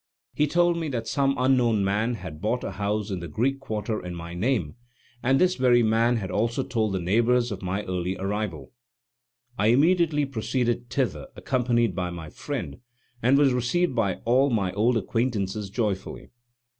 He told me that some unknown man had bought a house in the Greek Quarter in my name, and this very man had also told the neighbors of my early arrival. I immediately proceeded thither accompanied by my friend, and was received by all my old acquaintances joyfully.